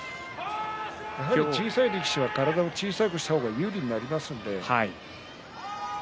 小さい力士は体を小さくした方が有利になりますので。